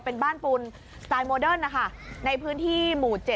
เป็นบ้านปูนสไตล์โมเดิร์นนะคะในพื้นที่หมู่๗